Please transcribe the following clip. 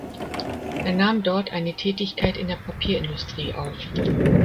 Er nahm dort eine Tätigkeit in der Papierindustrie auf.